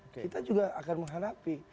kita juga akan menghadapi